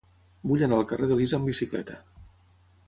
Vull anar al carrer d'Elisa amb bicicleta.